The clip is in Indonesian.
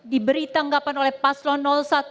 diberi tanggapan oleh paslon satu